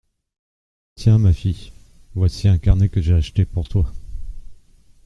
Tiens, ma fille, voici un carnet que j’ai acheté pour toi.